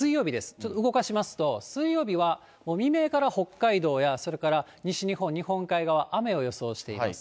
ちょっと動かしますと、水曜日はもう未明から北海道やそれから西日本、日本海側、雨を予想しています。